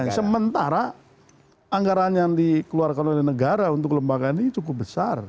nah sementara anggaran yang dikeluarkan oleh negara untuk lembaga ini cukup besar